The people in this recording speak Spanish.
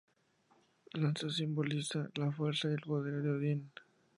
La lanza simboliza la fuerza y el poder de Odín.